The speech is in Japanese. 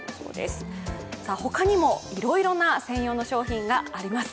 他にもいろいろな専用の商品があります。